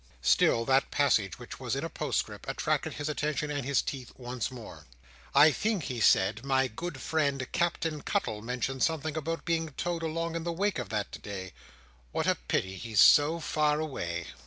Still that passage, which was in a postscript, attracted his attention and his teeth, once more. "I think," he said, "my good friend Captain Cuttle mentioned something about being towed along in the wake of that day. What a pity he's so far away!"